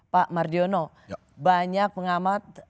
pak mardiono banyak pengamat